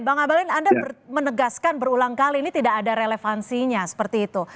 bang abalin anda menegaskan berulang kali ini tidak ada relevansinya seperti itu